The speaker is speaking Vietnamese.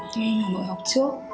nên anh ở nội học trước